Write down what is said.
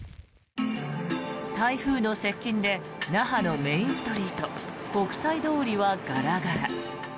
台風の接近で那覇のメインストリート国際通りはガラガラ。